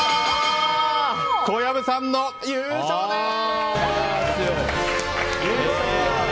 小籔さんの優勝です！